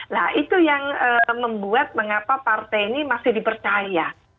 nah itu yang membuat mengapa partai ini masih dipercaya